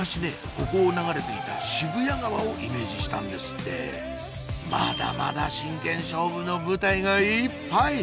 ここを流れていた渋谷川をイメージしたんですってまだまだ真剣勝負の舞台がいっぱい！